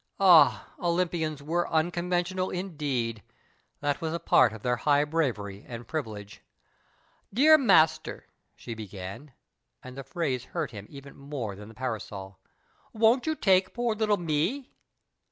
Ah, Olympians were unconventional indeed — that was a part of their high bravery and privilege. " Dear Master," she began, and the phrase iuirt him even more than the parasol, " won't you take poor little me